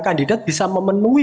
kandidat bisa memenuhi